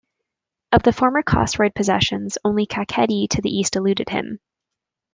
Of the former Chosroid possessions, only Kakheti to the east eluded him.